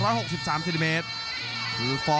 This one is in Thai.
และอัพพิวัตรสอสมนึก